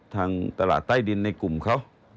ตลาดใต้ดินในกลุ่มเขา